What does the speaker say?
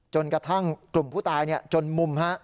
จนกระทั่งกลุ่มผู้ตายจนมุม